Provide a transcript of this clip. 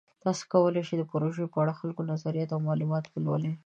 تاسو کولی شئ د پروژې په اړه د خلکو نظریات او معلومات ولولئ.